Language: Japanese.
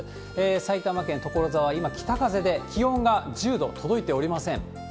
埼玉県所沢、今、北風で気温が１０度届いておりません。